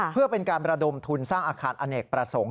เพื่อเป็นการประดมทุนสร้างอาคารอเนกประสงค์